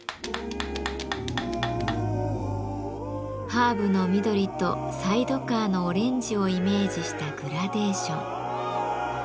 ハーブの緑とサイドカーのオレンジをイメージしたグラデーション。